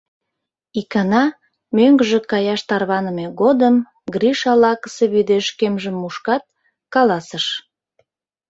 Икана, мӧҥгыжӧ каяш тарваныме годым, Гриша лакысе вӱдеш кемжым мушкат, каласыш: